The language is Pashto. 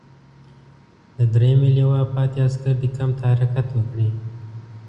د دریمې لواء پاتې عسکر دې کمپ ته حرکت وکړي.